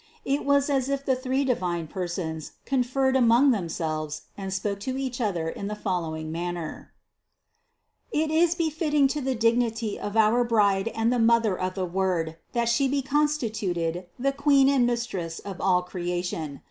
It was as if the three Divine Persons conferred among Themselves and spoke to each other in the fol lowing manner: 271. "It is befitting to the dignity of our Bride and the Mother of the Word, that She be constituted the Queen and Mistress of all creation.